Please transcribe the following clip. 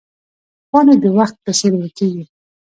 پاڼې د وخت په څېر ورکېږي